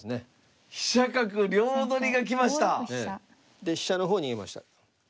で飛車の方を逃げました。